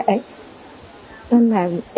nên là em không hỏi